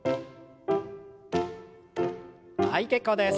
はい結構です。